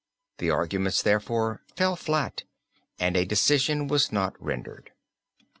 The arguments, therefore, fell flat and a decision was not rendered.